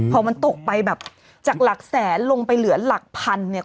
พอมันตกไปแบบจากหลักแสนลงไปเหลือหลักพันเนี่ย